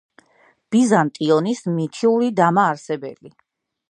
ბიზანტიონის მითური დამაარსებელი.